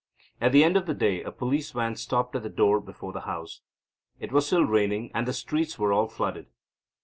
At the end of the day a police van stopped at the door before the house. It was still raining and the streets were all flooded.